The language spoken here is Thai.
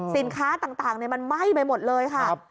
สินค้าต่างมันไหม้ไปหมดเลยค่ะ